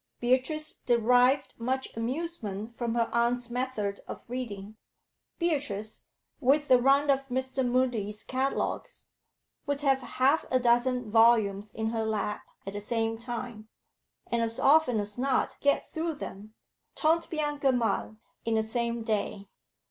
Beatrice derived much amusement from her aunt's method of reading. Beatrice, with the run of Mr. Mudie's catalogues, would have half a dozen volumes in her lap at the same time, and as often as not get through them tant bien que mal in the same day.